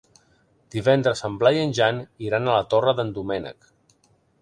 Divendres en Blai i en Jan iran a la Torre d'en Doménec.